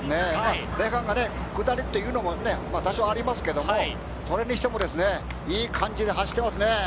前半下りというのもありますけど、それにしてもいい感じで走っていますね。